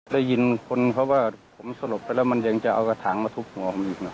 ได้ยินคนเขาว่าผมสลบไปแล้วมันยังจะเอากระถางมาทุบหัวผมอีกนะ